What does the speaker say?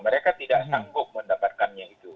mereka tidak sanggup mendapatkannya itu